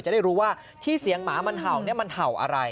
จะได้รู้ว่าที่เสียงหมามันเห่าเนี่ยมันเห่าอะไร